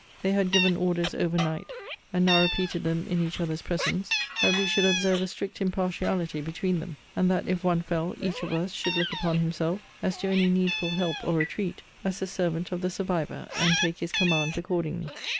They had given orders over night, and now repeated them in each other's presence, that we should observe a strict impartiality between them: and that, if one fell, each of us should look upon himself, as to any needful help or retreat, as the servant of the survivor, and take his commands accordingly.